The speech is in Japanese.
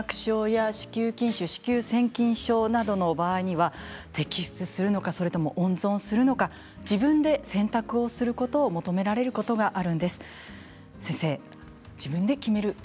子宮内膜症や子宮筋腫子宮腺筋症などの場合には摘出するのかそれとも温存するのか自分で選択をすることを求められることがあるんです。